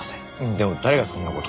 でも誰がそんな事？